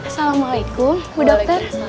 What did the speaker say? assalamualaikum bu dokter